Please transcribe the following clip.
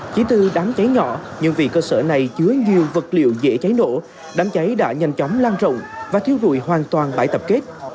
chỉ từ đám cháy nhỏ nhưng vì cơ sở này chứa nhiều vật liệu dễ cháy nổ đám cháy đã nhanh chóng lan rộng và thiêu rụi hoàn toàn bãi tập kết